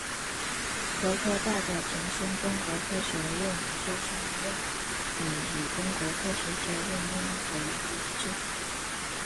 国科大的前身中国科学院研究生院院徽与中国科学院院徽一致。